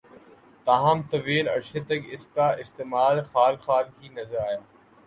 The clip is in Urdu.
تاہم ، طویل عرصے تک اس کا استعمال خال خال ہی نظر آیا